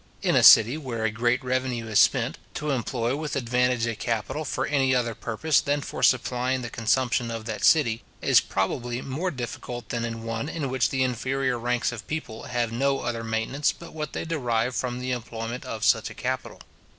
In a city where a great revenue is spent, to employ with advantage a capital for any other purpose than for supplying the consumption of that city, is probably more difficult than in one in which the inferior ranks of people have no other maintenance but what they derive from the employment of such a capital.